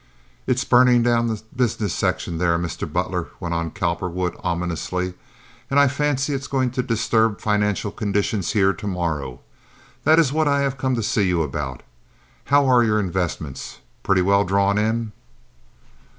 "It's burning down the business section there, Mr. Butler," went on Cowperwood ominously, "and I fancy it's going to disturb financial conditions here to morrow. That is what I have come to see you about. How are your investments? Pretty well drawn in?"